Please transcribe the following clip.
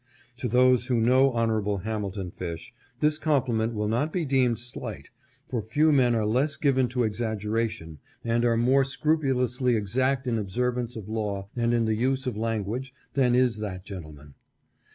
To those who know Hon. Hamilton Fish this compliment will not be deemed slight, for few men are less given to exaggeration and are more scrupulously exact in the observance of law and in the use of language than is that gentleman.